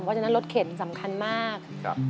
เพราะฉะนั้นรถเข็นสำคัญมาก